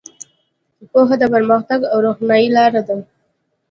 پوهه د پرمختګ او روښنایۍ لاره ده.